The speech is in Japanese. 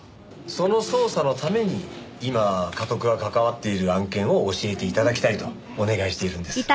その捜査のために今かとくが関わっている案件を教えて頂きたいとお願いしているんです。